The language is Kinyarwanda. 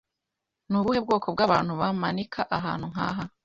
Ni ubuhe bwoko bw'abantu bamanika ahantu nkaha?